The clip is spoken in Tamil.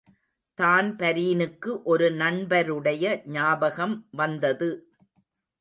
தான்பரீனுக்கு ஒரு நண்பருடைய ஞாபகம் வந்தது.